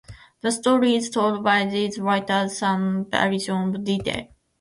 The story is told by these writers with some variations of detail.